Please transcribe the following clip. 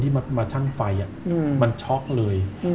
ที่มาช่างไฟอืมมันช็อกเลยอืม